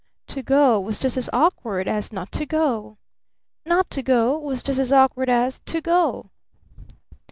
To go was just as awkward as not to go! Not to go was just as awkward as to go!